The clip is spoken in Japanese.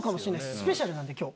スペシャルなんで今日。